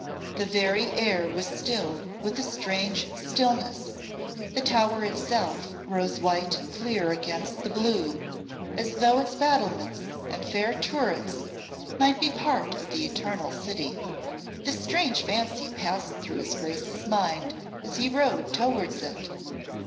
The very air was still with a strange stillness. The Tower itself rose white and clear against the blue as though its battlements and fair turrets might be part of the Eternal City. This strange fancy passed through his Grace's mind as he rode towards it.